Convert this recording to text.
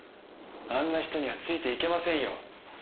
あんな人にはついて行けませんよ。